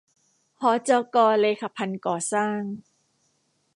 หจก.เลขะพันธุ์ก่อสร้าง